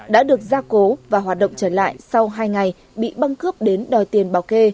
đã được gia cố và hoạt động trở lại sau hai ngày bị băng cướp đến đòi tiền bào kê